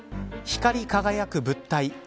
光り輝く物体